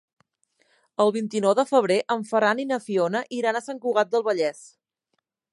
El vint-i-nou de febrer en Ferran i na Fiona iran a Sant Cugat del Vallès.